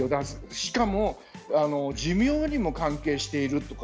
しかも寿命にも関係しているとか。